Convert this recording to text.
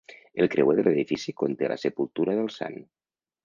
El creuer de l'edifici conté la sepultura del sant.